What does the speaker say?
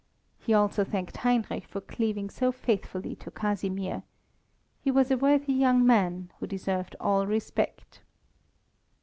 He also thanked Heinrich for cleaving so faithfully to Casimir. He was a worthy young man, who deserved all respect.